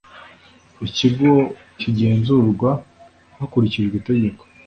ikigo kigenzurwa hakurikijwe Itegeko .